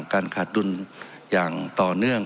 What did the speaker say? การขาดดุลอย่างต่อเนื่อง